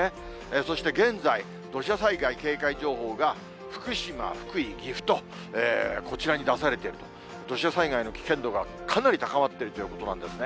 そして現在、土砂災害警戒情報が、福島、福井、岐阜と、こちらに出されていると、土砂災害の危険度がかなり高まっているということなんですね。